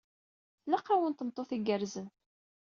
Tlaq-awen tameṭṭut igerrzen.